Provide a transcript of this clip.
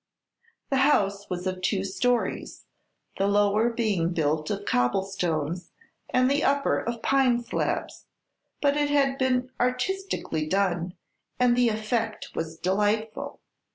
The house was of two stories, the lower being built of cobblestones and the upper of pine slabs; but it had been artistically done and the effect was delightful.